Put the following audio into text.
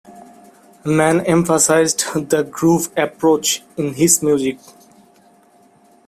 Mann emphasized the groove approach in his music.